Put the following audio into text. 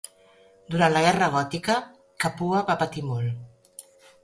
Durant la Guerra Gòtica, Capua va patir molt.